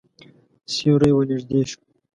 سیوری ورنږدې شو.